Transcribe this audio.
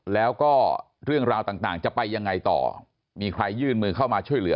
แล้วก็เรื่องราวต่างจะไปยังไงต่อมีใครยื่นมือเข้ามาช่วยเหลือ